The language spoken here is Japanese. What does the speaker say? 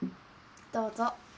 どうぞ。